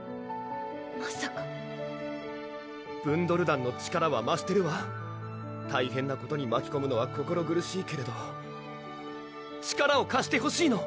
まさかブンドル団の力はましてるわ大変なことにまきこむのは心苦しいけれど力をかしてほしいの！